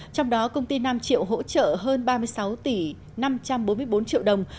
trong đó công ty nam triệu hỗ trợ hơn ba mươi sáu tỷ năm trăm bốn mươi bốn triệu đồng